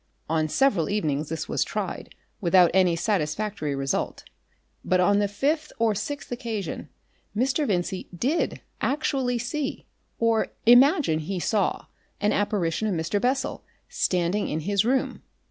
On several evenings this was tried without any satisfactory result, but on the fifth or sixth occasion Mr. Vincey did actually see or imagine he saw an apparition of Mr. Bessel standing in his room.